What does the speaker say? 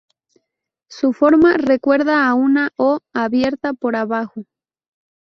Su forma recuerda a una Ο abierta por abajo.